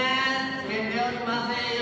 透けておりませんよ。